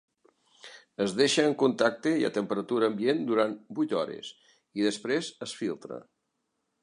Es deixa en contacte i a temperatura ambient durant vuit hores i després es filtra.